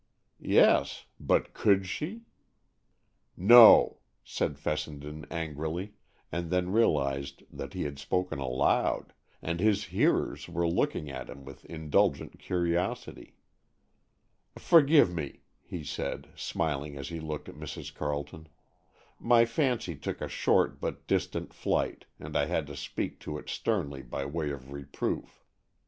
Yes, but could she? "No!" said Fessenden angrily, and then realized that he had spoken aloud, and his hearers were looking at him with indulgent curiosity. "Forgive me," he said, smiling as he looked at Mrs. Carleton. "My fancy took a short but distant flight, and I had to speak to it sternly by way of reproof."